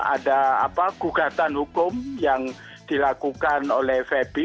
ada gugatan hukum yang dilakukan oleh febi